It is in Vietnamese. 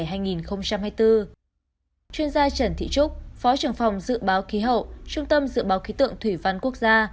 chuyên gia trần thị trúc phó trưởng phòng dự báo khí hậu trung tâm dự báo khí tượng thủy văn quốc gia